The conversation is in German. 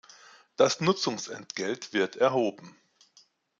Das Nutzungsentgelt wird erhoben